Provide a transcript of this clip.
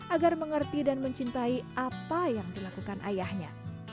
agar mengerti dan mencintai apa yang dilakukan ayahnya